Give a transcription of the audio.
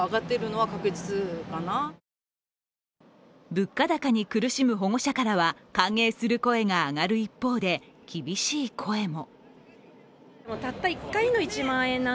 物価高に苦しむ保護者からは歓迎する声が上がる一方で、厳しい声も。